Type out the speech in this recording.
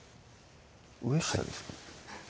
上下ですか？